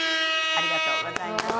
ありがとうございます。